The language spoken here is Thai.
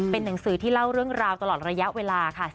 เป็นหนังสือที่เล่าเรื่องราวตลอดระยะเวลาค่ะ